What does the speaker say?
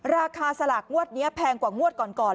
ราคาสลากงวดนี้แพงกว่างวดก่อน